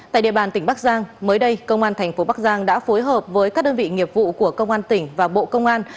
tại địa bàn tỉnh bắc giang mới đây công an thành phố bắc giang đã phối hợp với các đơn vị nghiệp vụ của công an tỉnh và bộ công an